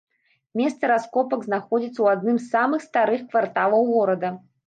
Месца раскопак знаходзіцца у адным з самых старых кварталаў горада.